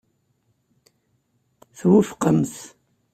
Twufqemt.